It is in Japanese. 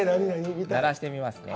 鳴らしてみますね。